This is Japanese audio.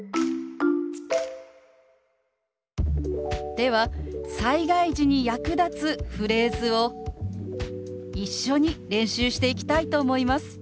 では災害時に役立つフレーズを一緒に練習していきたいと思います。